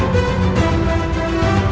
hidup raden walang susah